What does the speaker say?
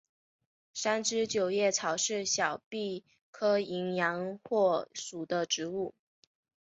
三枝九叶草是小檗科淫羊藿属的植物。